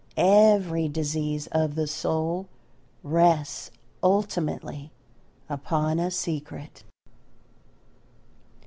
Every disease of the soul rests ultimately upon a secret.